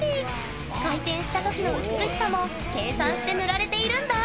回転した時の美しさも計算して塗られているんだ！